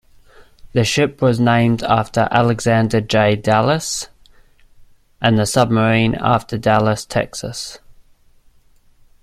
The ship was named after Alexander J. Dallas and the submarine after Dallas, Texas.